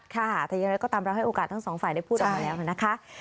ค่ะแต่อย่างไรก็ตามเราให้โอกาสทั้งสองฝ่ายได้พูดออกมาแล้วนะคะ